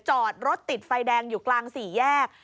จอดรถติดไฟแดงอยู่กลางสี่แยก